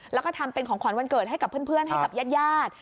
แล้วก็ทำเป็นของขวัญวันเกิดให้กับเพื่อนให้กับญาติ